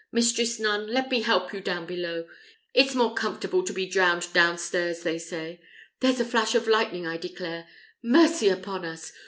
Mistress nun, let me help you down below. It's more comfortable to be drowned downstairs, they say. There's a flash of lightning, I declare! Mercy upon us!